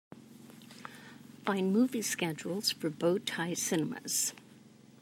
Find movie schedules for Bow Tie Cinemas.